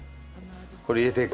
これ入れていく。